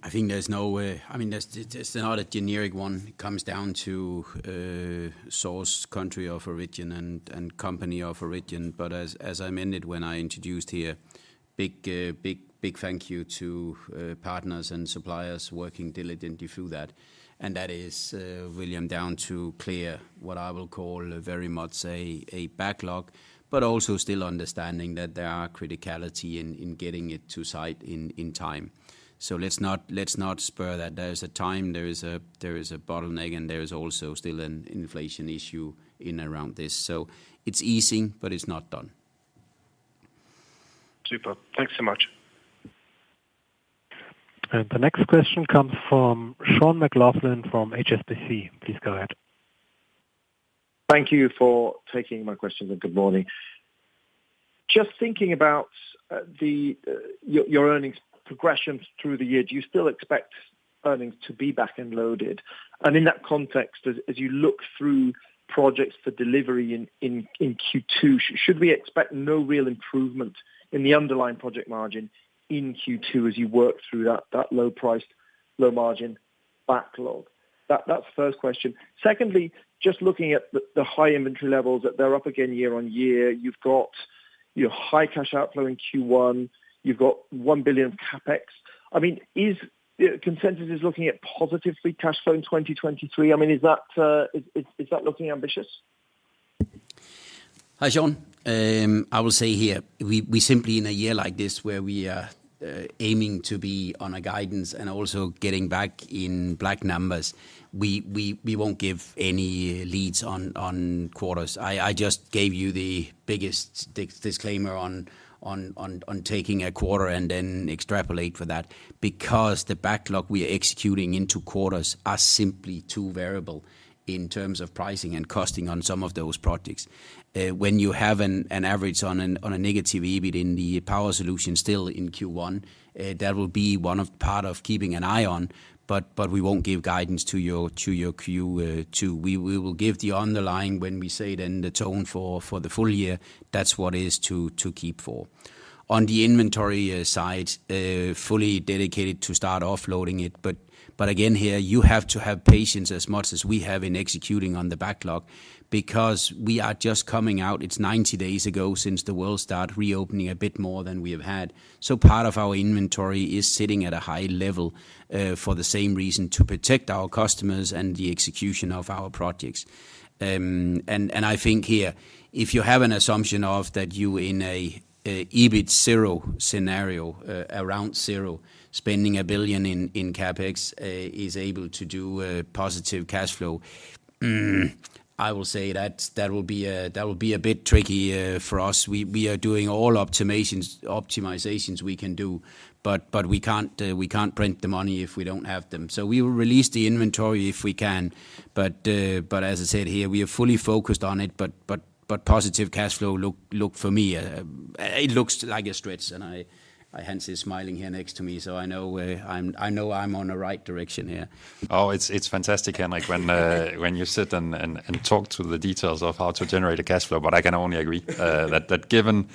I think, I mean, there's, it's not a generic one. It comes down to source country of origin and company of origin. As I mentioned when I introduced here, big thank you to partners and suppliers working diligently through that. That is William, down to clear what I will call very much a backlog, but also still understanding that there are criticality in getting it to site in time. Let's not spur that. There is a time, there is a bottleneck, there is also still an inflation issue in around this. It's easing, but it's not done. Super. Thanks so much. The next question comes from Sean McLoughlin from HSBC. Please go ahead. Thank you for taking my questions. Good morning. Just thinking about your earnings progression through the year, do you still expect earnings to be back-end loaded? In that context, as you look through projects for delivery in Q2, should we expect no real improvement in the underlying project margin in Q2 as you work through that low price, low margin backlog? That's the first question. Secondly, just looking at the high inventory levels, they're up again year-over-year. You've got your high cash outflow in Q1. You've got 1 billion of CapEx. I mean, is the consensus is looking at positively cash flow in 2023. I mean, is that looking ambitious? Hi, Sean. I will say here, we simply in a year like this where we are aiming to be on a guidance and also getting back in black numbers, we won't give any leads on quarters. I just gave you the biggest disclaimer on taking a quarter and then extrapolate for that because the backlog we are executing into quarters are simply too variable in terms of pricing and costing on some of those projects. When you have an average on a negative EBIT in the power solution still in Q1, that will be one of part of keeping an eye on, but we won't give guidance to your Q2. We will give the underlying when we say then the tone for the full year. That's what is to keep for. On the inventory side, fully dedicated to start offloading it. Again, here, you have to have patience as much as we have in executing on the backlog because we are just coming out. It's 90 days ago since the world start reopening a bit more than we have had. Part of our inventory is sitting at a high level for the same reason, to protect our customers and the execution of our projects. I think here, if you have an assumption of that you in an EBIT zero scenario, around zero, spending 1 billion in CapEx is able to do a positive cash flow, I will say that will be a bit tricky for us. We are doing all optimizations we can do, but we can't, we can't print the money if we don't have them. We will release the inventory if we can. As I said here, we are fully focused on it. Positive cash flow look for me, it looks like a stretch, and I, Hans is smiling here next to me, so I know I'm on the right direction here. Oh, it's fantastic, Henrik, when you sit and talk through the details of how to generate a cash flow. I can only agree that given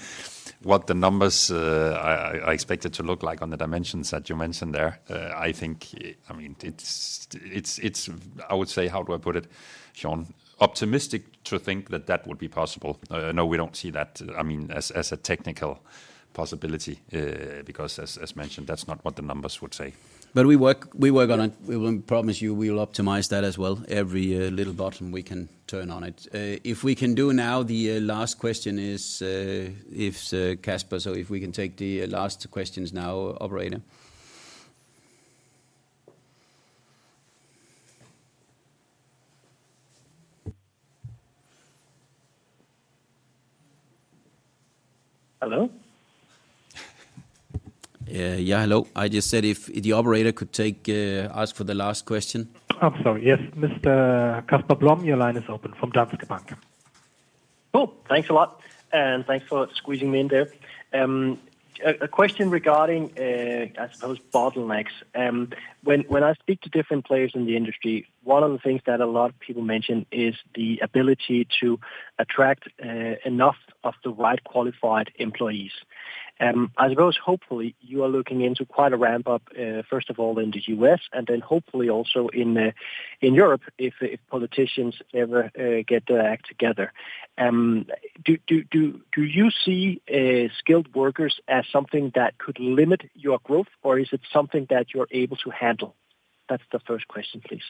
what the numbers, I expect it to look like on the dimensions that you mentioned there, I think, I mean, it's, I would say, how do I put it, Sean? Optimistic to think that that would be possible. No, we don't see that, I mean, as a technical possibility, because as mentioned, that's not what the numbers would say. We work on it. We will promise you we will optimize that as well. Every little bottom we can turn on it. If we can do now, the last question is if Casper. If we can take the last questions now, operator. Hello? Hello. I just said if the operator could take, ask for the last question. I'm sorry. Yes. Mr. Casper Blom, your line is open from Danske Bank. Cool. Thanks a lot. Thanks for squeezing me in there. A question regarding I suppose bottlenecks. When I speak to different players in the industry, one of the things that a lot of people mention is the ability to attract enough of the right qualified employees. I suppose hopefully you are looking into quite a ramp-up first of all in the U.S. and then hopefully also in Europe if politicians ever get their act together. Do you see skilled workers as something that could limit your growth, or is it something that you're able to handle? That's the first question, please.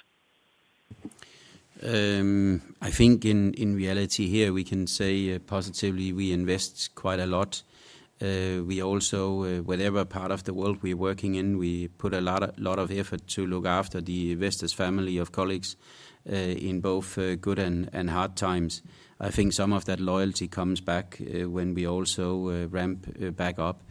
I think in reality here we can say positively we invest quite a lot. We also, whatever part of the world we're working in, we put a lot of effort to look after the Vestas family of colleagues in both good and hard times. I think some of that loyalty comes back when we also ramp back up.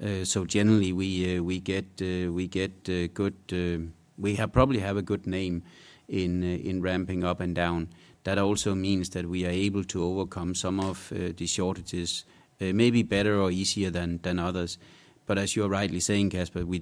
Generally we get good. We probably have a good name in ramping up and down. That also means that we are able to overcome some of the shortages maybe better or easier than others. As you're rightly saying, Kasper, we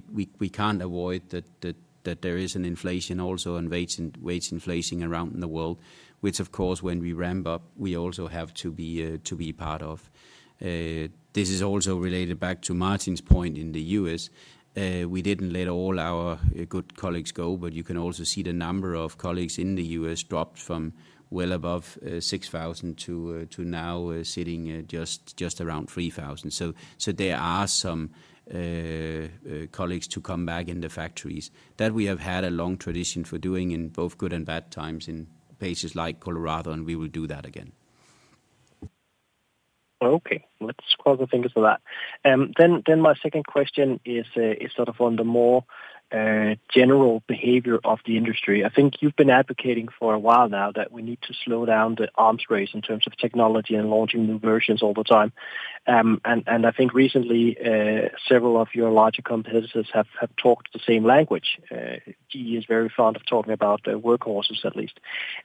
can't avoid that there is an inflation also and wage in-wage inflation around in the world, which of course, when we ramp up, we also have to be part of. This is also related back to Martin's point in the U.S. We didn't let all our good colleagues go, but you can also see the number of colleagues in the U.S. dropped from well above 6,000 to now sitting at just around 3,000. There are some colleagues to come back in the factories. That we have had a long tradition for doing in both good and bad times in places like Colorado, and we will do that again. Okay. Let's cross our fingers for that. My second question is sort of on the more general behavior of the industry. I think you've been advocating for a while now that we need to slow down the arms race in terms of technology and launching new versions all the time. I think recently, several of your larger competitors have talked the same language. GE is very fond of talking about their workhorses at least.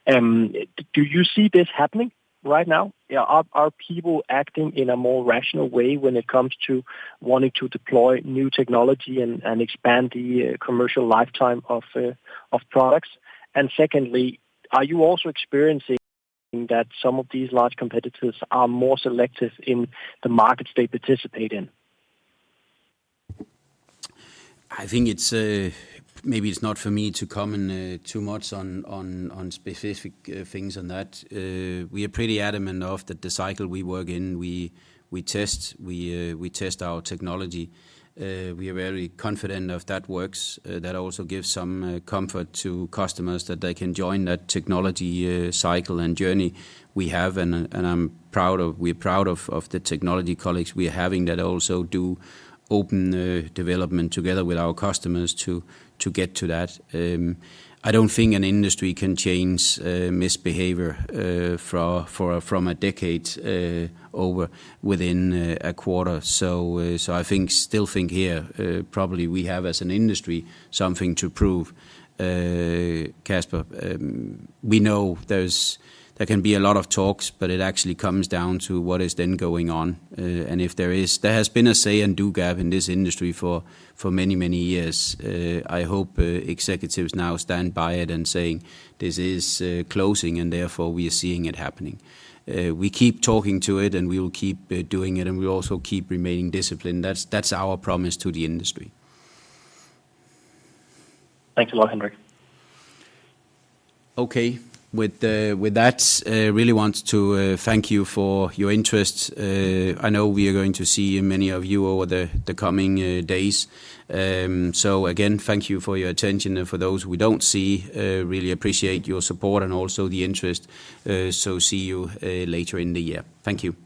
Do you see this happening right now? Yeah. Are people acting in a more rational way when it comes to wanting to deploy new technology and expand the commercial lifetime of products? Secondly, are you also experiencing that some of these large competitors are more selective in the markets they participate in? I think it's maybe it's not for me to comment too much on specific things on that. We are pretty adamant of the cycle we work in. We test our technology. We are very confident if that works. That also gives some comfort to customers that they can join that technology cycle and journey we have. We're proud of the technology colleagues we are having that also do open development together with our customers to get to that. I don't think an industry can change misbehavior from a decade over within a quarter. so I think, still think here probably we have as an industry something to prove, Casper. We know there can be a lot of talks, but it actually comes down to what is then going on. There has been a say-and-do gap in this industry for many, many years. I hope executives now stand by it in saying, "This is closing," and therefore we are seeing it happening. We keep talking to it, and we will keep doing it, and we also keep remaining disciplined. That's our promise to the industry. Thanks a lot, Henrik. Okay. With, with that, really want to thank you for your interest. I know we are going to see many of you over the coming days. Again, thank you for your attention. For those we don't see, really appreciate your support and also the interest. See you later in the year. Thank you.